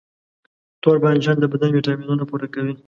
توربانجان د بدن ویټامینونه پوره کوي.